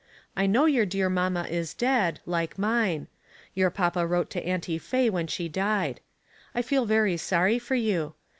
I know your dear mamma is dead, like mine. Your papa wrote to Auntie Faye when she died. I feel very sorry for you.